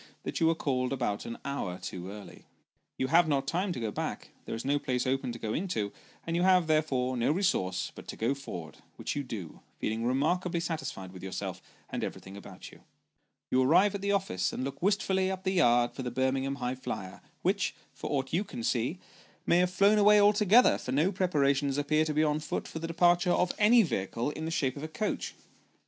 that you were called about an hour too early. You have not time to go back ; there is no place open to go into, and you have, therefore, no resource but to go forward, which you do, feeling remarkably satisfied with yourself, and everything about you. You arrive at the office, and look wistfully up the yard for the Birmingham High flier, which, for aught you can see, may have flown away altogether, for no preparations appear to be on foot for the departure of any vehicle in the shape of a coach.